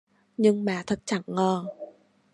Nhưng mà thật chẳng ngờ